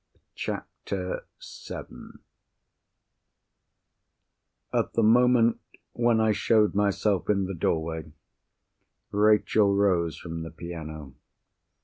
CHAPTER VII At the moment when I showed myself in the doorway, Rachel rose from the piano.